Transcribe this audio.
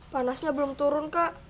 panasnya belum turun kak